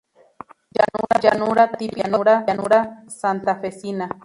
Llanura, típico de la llanura santafesina.